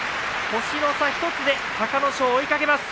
星の差１つで隆の勝を追いかけます。